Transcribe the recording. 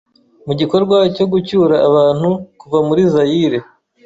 Mu gikorwa cyo gucyura abantu kuva muri Zaire,